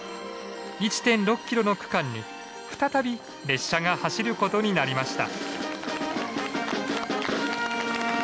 １．６キロの区間に再び列車が走ることになりました。